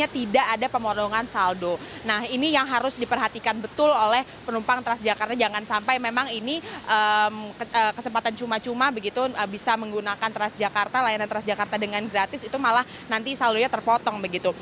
transjakarta jangan sampai memang ini kesempatan cuma cuma begitu bisa menggunakan transjakarta layanan transjakarta dengan gratis itu malah nanti saldonya terpotong begitu